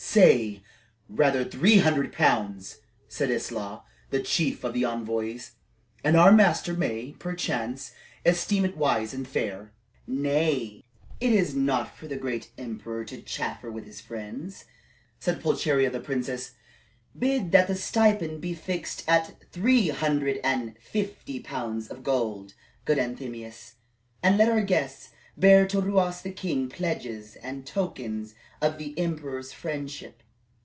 "Say, rather, three hundred pounds," said Eslaw, the chief of the envoys, "and our master may, perchance, esteem it wise and fair." "Nay, it is not for the great emperor to chaffer with his friends," said Pulcheria, the princess. "Bid that the stipend be fixed at three hundred and fifty pounds of gold, good Anthemius, and let our guests bear to Ruas the king pledges and tokens of the emperor's friendship."